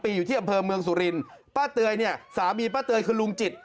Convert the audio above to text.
อยู่ที่อำเภอเมืองสุรินทร์ป้าเตยเนี่ยสามีป้าเตยคือลุงจิต